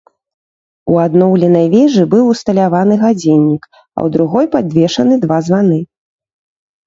У адноўленай вежы быў усталяваны гадзіннік, а ў другой падвешаны два званы.